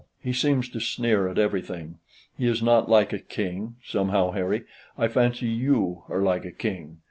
He seems to sneer at everything. He is not like a king: somehow Harry, I fancy you are like a king.